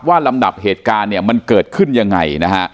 ลำดับเหตุการณ์เนี่ยมันเกิดขึ้นยังไงนะฮะ